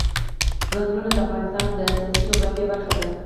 ځنګلونه د افغانستان د سیاسي جغرافیه برخه ده.